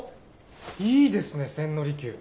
いいですね千利休。